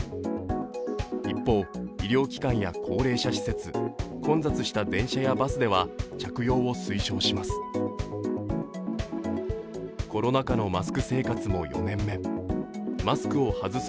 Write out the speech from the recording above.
一方、医療機関や高齢者施設、混雑した電車やバスでは着用を推奨します。